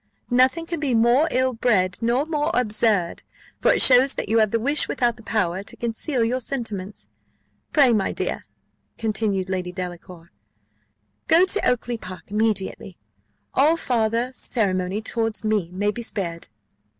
"Nothing can be more ill bred, nor more absurd; for it shows that you have the wish without the power to conceal your sentiments. Pray, my dear," continued Lady Delacour, "go to Oakly park immediately all farther ceremony towards me may be spared."